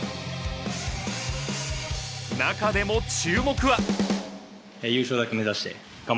中でも注目は。